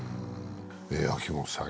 秋元さん